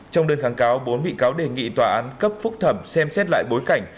trong đơn kháng cáo bốn bị cáo đề nghị tòa án cấp phúc thẩm xem xét lại bối cảnh